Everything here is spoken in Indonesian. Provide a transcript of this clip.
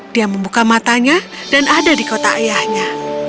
dia membuka matanya dan ada di kota ayahnya